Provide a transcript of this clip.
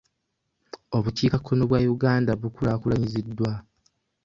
Obukiikakkono bwa Uganda bukulaakulanyiziddwa.